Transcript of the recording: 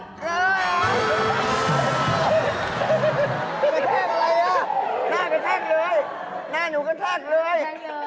หน้ากะแทกอะไรน่ะหน้ากะแทกเลยหน้านูกะแทกเลยอ๋อ